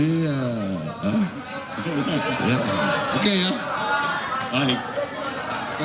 ajak surya paloh bergabung ke koalisi pemerintah